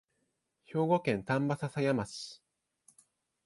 兵庫県丹波篠山市